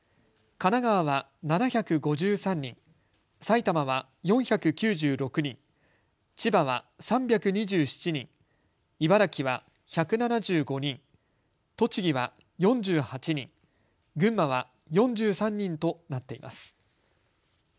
神奈川は７５３人、埼玉は４９６人、千葉は３２７人、茨城は１７５人、栃木は４８人、群馬は４３人となっています。